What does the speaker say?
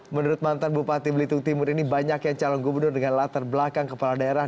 menurut mantan bupati belitung timur ini banyak yang calon gubernur dengan latar belakang kepala daerah